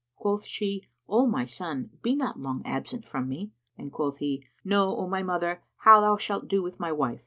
Quoth she, "O my son, be not long absent from me;" and quoth he, "Know, O my mother, how thou shalt do with my wife.